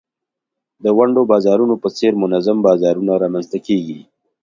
د ونډو د بازارونو په څېر منظم بازارونه رامینځته کیږي.